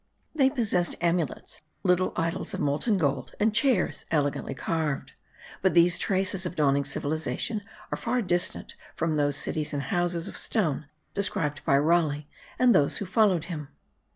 They possessed amulets, little idols of molten gold, and chairs, elegantly carved; but these traces of dawning civilization are far distant from those cities and houses of stone described by Raleigh and those who followed him.